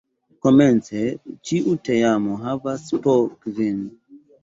Komence ĉiu teamo havas po kvin.